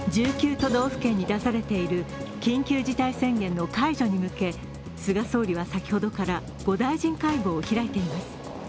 都道府県に出されている緊急事態宣言の解除に向け菅総理は先ほどから５大臣会合を開いています。